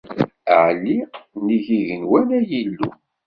Ɛelli nnig yigenwan, ay Illu!